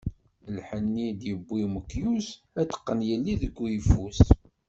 Lḥenni i d-yewwi umekyus, ad t-teqqen yelli deg uyeffus.